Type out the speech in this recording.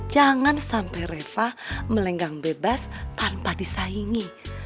jangan sampai reva melenggang bebas tanpa disaingi